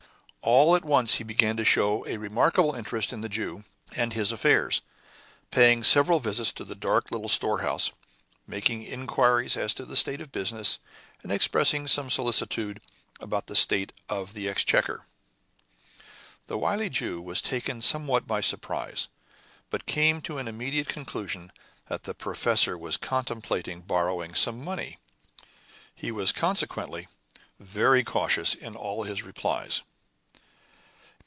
All at once he began to show a remarkable interest in the Jew and his affairs, paying several visits to the dark little storehouse, making inquiries as to the state of business and expressing some solicitude about the state of the exchequer. The wily Jew was taken somewhat by surprise, but came to an immediate conclusion that the professor was contemplating borrowing some money; he was consequently very cautious in all his replies.